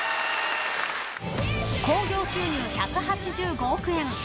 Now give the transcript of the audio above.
興行収入１８５億円超え。